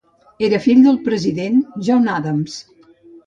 Era fill del president John Adams.